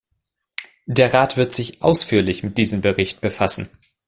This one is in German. Der Rat wird sich ausführlich mit diesem Bericht befassen.